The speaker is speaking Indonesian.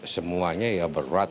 semuanya ya berat